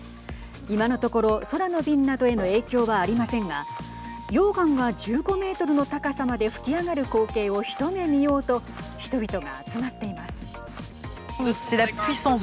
今のところ、空の便などへの影響はありませんが溶岩が１５メートルの高さまで噴き上がる光景を一目見ようと人々が集まっています。